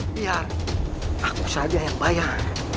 biar aku saja yang bayar